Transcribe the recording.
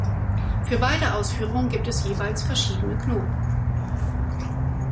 Für beide Ausführungen gibt es jeweils verschiedene Knoten.